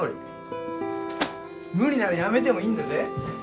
無理ならやめてもいいんだぜ。